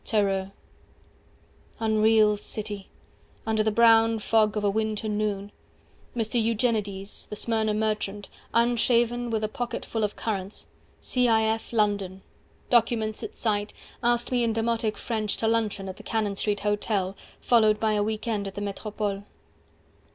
205 Tereu Unreal City Under the brown fog of a winter noon Mr Eugenides, the Smyrna merchant Unshaven, with a pocket full of currants 210 C. i. f. London: documents at sight, Asked me in demotic French To luncheon at the Cannon Street Hotel Followed by a week end at the Metropole.